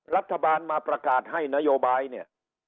รัฐบาลมาประกาศให้นโยบายเนี่ย